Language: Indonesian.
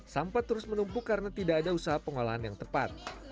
sampah terus menumpuk karena tidak ada usaha pengolahan yang tepat